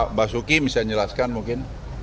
pak basuki bisa jelaskan mungkin